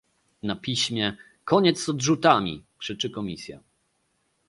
na piśmie - "Koniec z odrzutami!" - krzyczy Komisja